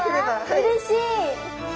うれしい！